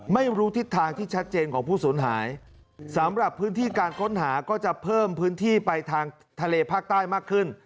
ไม่รู้ทิศทางที่ชัดเจนของผู้สูญหายสำหรับพื้นที่การค้นหาก็จะเพิ่มพื้นที่ไปทางทะเลภาคใต้มากขึ้น